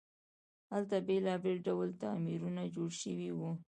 هلته بیلابیل ډوله تعمیرونه جوړ شوي وو.